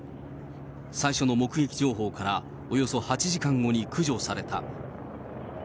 最初の目撃情報から、およそ８時間後に駆除された。